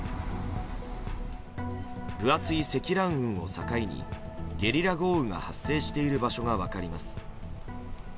分厚い積乱雲を境にゲリラ豪雨が発生している場所が分かります。